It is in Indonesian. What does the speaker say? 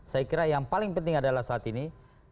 saya kira yang paling penting adalah saat ini